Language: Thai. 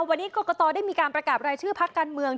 วันนี้กรกตได้มีการประกาศรายชื่อพักการเมือง